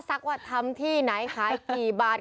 ซักวัดทำที่ไหนขายกี่บาท